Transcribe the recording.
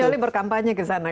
kecuali berkampanye ke sana